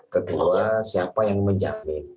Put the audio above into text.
kedua siapa yang menjamin